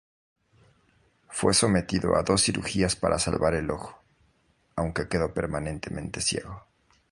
Fue sometido a dos cirugías para salvar el ojo, aunque quedó permanentemente ciego.